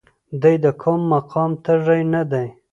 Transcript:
دی د کوم مقام تږی نه دی.